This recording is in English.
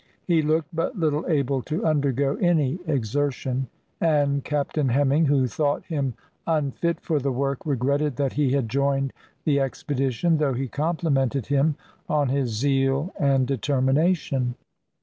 He looked but little able to undergo any exertion, and Captain Hemming, who thought him unfit for the work, regretted that he had joined the expedition, though he complimented him on his zeal and determination.